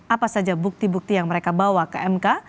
apa saja bukti bukti yang mereka bawa ke mk